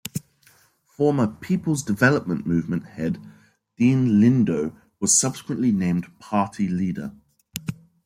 Former People's Development Movement head Dean Lindo was subsequently named party leader.